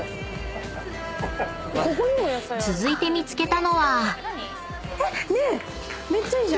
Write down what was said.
［続いて見つけたのは］